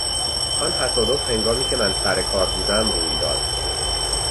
آن تصادف هنگامی که من سر کار بودم روی داد.